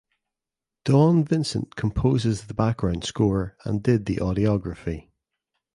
Dawn Vincent composes the background score and did the audiography.